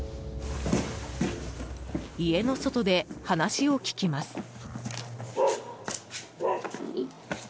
家の外で話を聞きます。